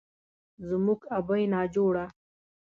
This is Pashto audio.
زموږ ابۍ ناجوړه،